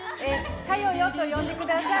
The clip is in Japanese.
「かよよ」と呼んでください。